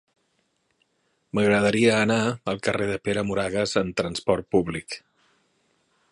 M'agradaria anar al carrer de Pere Moragues amb trasport públic.